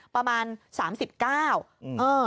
ประมาณ๓๙เออ